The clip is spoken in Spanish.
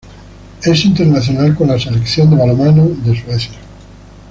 Es internacional con la selección de balonmano de Suecia.